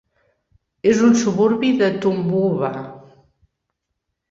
És un suburbi de Toowoomba.